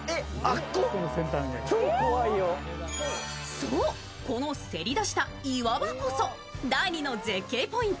そう、このせり出した岩場こそ第２の絶景ポイント